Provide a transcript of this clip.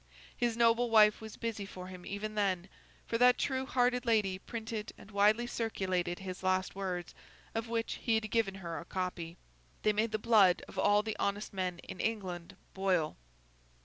His noble wife was busy for him even then; for that true hearted lady printed and widely circulated his last words, of which he had given her a copy. They made the blood of all the honest men in England boil.